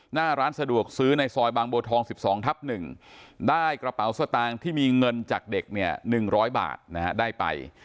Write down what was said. หน้าร้านสะดวกซื้อในซอยบางบัวทอง๑๒ทับ๑ได้กระเป๋าสตางค์ที่มีเงินจากเด็กเนี่ย๑๐๐บาทได้ไป